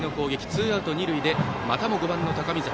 ツーアウト二塁でまたも５番の高見澤。